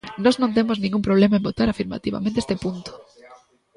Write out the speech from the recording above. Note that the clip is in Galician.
Nós non temos ningún problema en votar afirmativamente este punto.